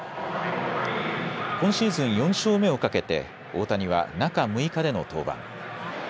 今シーズン４勝目をかけて大谷は中６日での登板。